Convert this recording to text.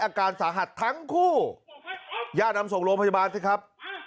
อาการสหัสทั้งคู่ย่านอำสงโรพยาบาลด้วยครับ